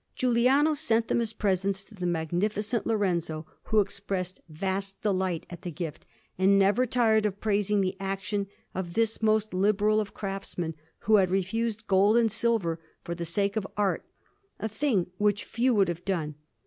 Giuliano sent them as presents to the Magnificent Lorenzo, who expressed vast delight at the gift, and never tired of praising the action of this most liberal of craftsmen, who had refused gold and silver for the sake of art, a thing which few would have done.